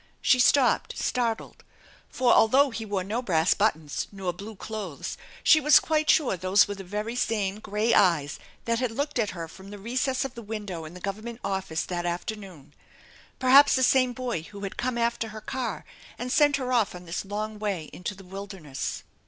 She stopped, startled, for although he wore no brass buttons nor blue clothes she was quite sure those were the same gray eyes that had looked at her from the recess of the window in the Government office that afternoon, perhaps the same boy who had come after her car and sent her off on this long way into the wilderness.